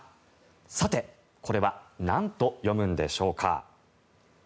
さて、これはなんと読むんでしょうか。